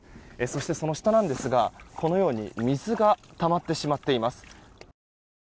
そして、その下ですが水がたまってしまっています。